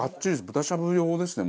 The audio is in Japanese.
豚しゃぶ用ですね